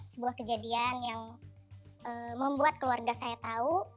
sebuah kejadian yang membuat keluarga saya tahu